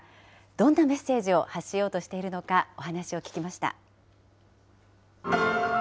どんなメッセージを発しようとしているのか、お話を聞きました。